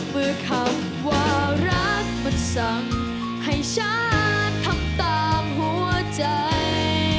เมื่อคำว่ารักมันสั่งให้ฉันทำตามหัวใจ